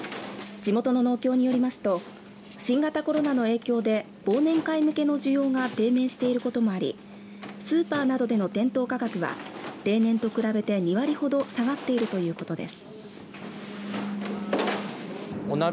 地元の農協によりますと新型コロナの影響で忘年会向けの需要が低迷していることもありスーパーなどでの店頭価格は例年と比べて２割ほど下がっているということです。